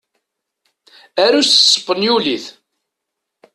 Aru s tespenyulit.